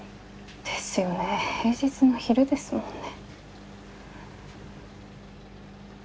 ですよね平日の昼ですもんね。